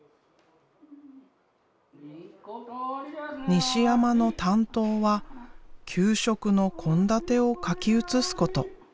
西山の担当は給食の献立を書き写すこと。